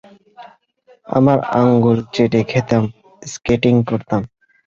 আমরা আঙ্গুল চেটে খেতাম, স্কেটিং করতাম?